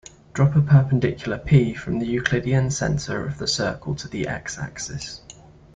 Drop a perpendicular "p" from the Euclidean center of the circle to the "x"-axis.